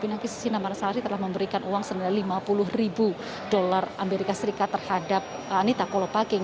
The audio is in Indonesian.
pinangki sinarsari telah memberikan uang senilai lima puluh ribu dolar amerika serikat terhadap anita kolopaking